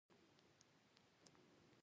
په خپل زیار.